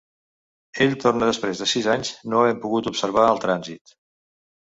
Ell torna després de sis anys no havent pogut observar el trànsit.